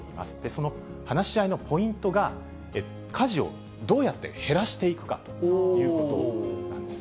その話し合いのポイントが、家事をどうやって減らしていくかということなんですね。